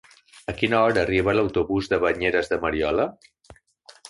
A quina hora arriba l'autobús de Banyeres de Mariola?